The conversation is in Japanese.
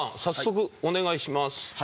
早速お願いします。